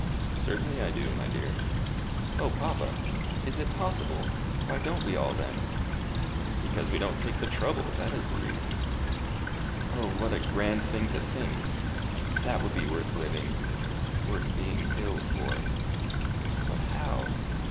"Certainly I do, my dear." "O, papa! Is it possible? Why don't we all, then?" "Because we won't take the trouble; that is the reason." "O, what a grand thing to think! That would be worth living worth being ill for. But how?